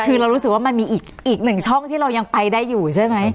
คือเรารู้สึกว่ามันมีอีกหนึ่งช่องที่เรายังไปได้อยู่ใช่ไหม